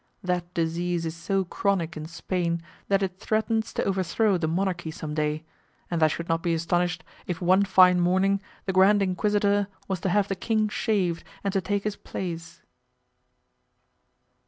That disease is so chronic in Spain that it threatens to overthrow the monarchy some day, and I should not be astonished if one fine morning the Grand Inquisitor was to have the king shaved, and to take his place.